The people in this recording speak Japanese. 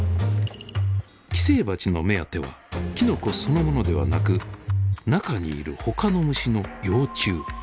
寄生バチの目当てはきのこそのものではなく中にいる他の虫の幼虫。